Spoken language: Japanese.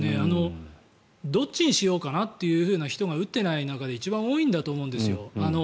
どっちにしようかなという人が打っていない中で一番多いんだと思うんですよ。